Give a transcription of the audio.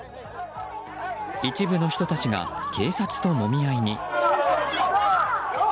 一部の人たちが警察ともみ合いに。